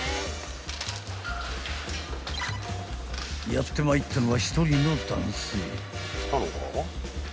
［やってまいったのは１人の男性］